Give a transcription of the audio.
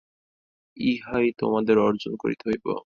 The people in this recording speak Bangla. ইহাই তোমাকে অর্জন করিতে হইবে।